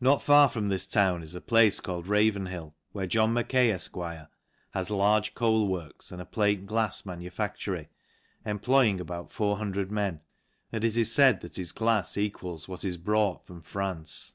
Not far from this town is a place called Ravenhill y where John Mackay, Efq > has large coal works, and a plate glafs manufactory, employing about 400 men y and it is faid, that his glafs equals what is brought from France.